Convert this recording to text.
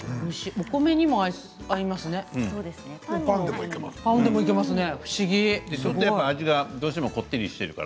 お米にも合いますね。